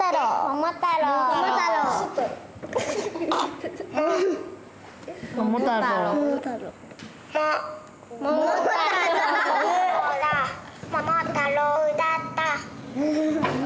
桃太郎だった。